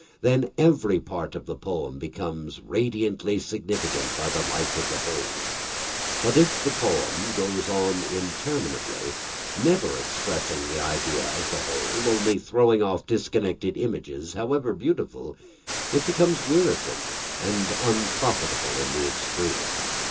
Then every part of the poem becomes radiantly significant by the light of the whole. But if the poem goes on interminably, never expressing the idea of the whole, only throwing off disconnected images, however beautiful, it becomes wearisome and unprofitable in the extreme.